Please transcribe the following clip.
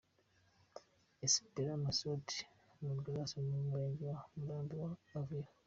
Espera Masudi mu gace ka Mulenge ku murambi wa Uvira.